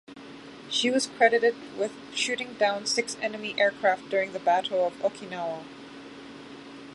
She was credited with shooting down six enemy aircraft during the battle of Okinawa.